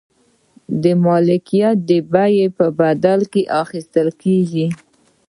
ملکیت د بیې په بدل کې اخیستل کیږي.